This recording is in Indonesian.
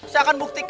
saya akan buktikan